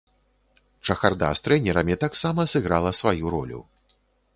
Чахарда з трэнерамі таксама сыграла сваю ролю.